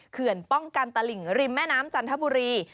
เขื่อนป้องกันตลิ่งริมแม่น้ำจันทบุรี